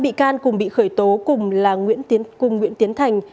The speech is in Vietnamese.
ba bị can cùng bị khởi tố cùng nguyễn tiến thành